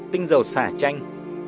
tinh dầu sả chanh